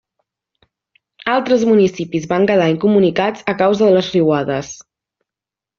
Altres municipis van quedar incomunicats a causa de les riuades.